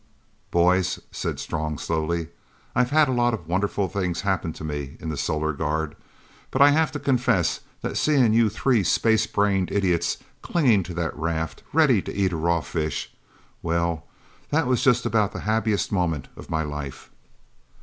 "Boys," said Strong slowly, "I've had a lot of wonderful things happen to me in the Solar Guard. But I have to confess that seeing you three space brained idiots clinging to that raft, ready to eat a raw fish well, that was just about the happiest moment of my life."